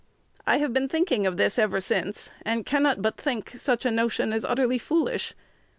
I have been thinking of this ever since, and cannot but think such a notion is utterly foolish.